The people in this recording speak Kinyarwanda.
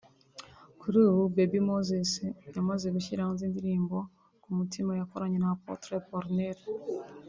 Kuri ubu Baby Moses yamaze gushyira hanze indirimbo 'Ku mutima' yakoranye na Apotre Apollinaire